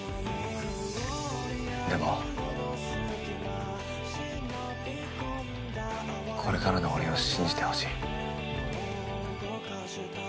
でもこれからの俺を信じてほしい。